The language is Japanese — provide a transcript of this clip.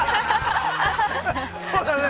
そうだね。